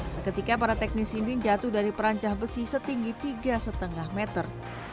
seketika para teknis ini jatuh dari perancah besi setinggi tiga lima meter